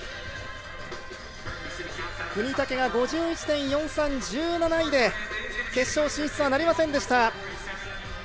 國武が５１．４３１７位で決勝進出はなりませんでした。